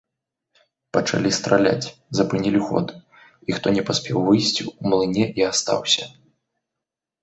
Пачалі страляць, запынілі ход, і хто не паспеў выйсці, у млыне і астаўся.